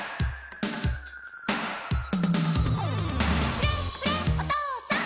「フレッフレッおとうさん！」